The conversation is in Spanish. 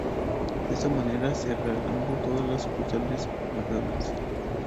De esta manera, cerrando todas las sucursales McDonald's.